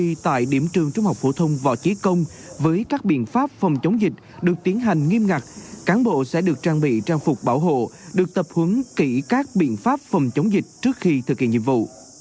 khi tại điểm trường trung học phổ thông võ chí công với các biện pháp phòng chống dịch được tiến hành nghiêm ngặt cán bộ sẽ được trang bị trang phục bảo hộ được tập huấn kỹ các biện pháp phòng chống dịch trước khi thực hiện nhiệm vụ